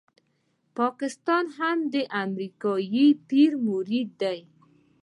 پاکستان هم د امریکایي پیر مرید دی.